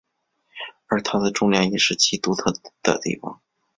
而它的重量也是其独特的地方。